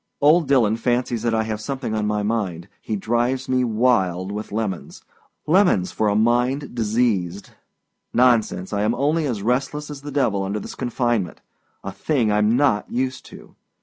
Old Dillon fancies that I have something on my mind. He drives me wild with lemons. Lemons for a mind diseased! Nonsense. I am only as restless as the devil under this confinement a thing Iâm not used to.